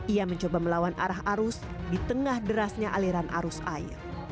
ia mencoba melawan arah arus di tengah derasnya aliran arus air